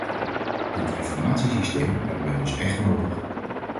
Dit informatiesysteem hebben wij dus echt nodig.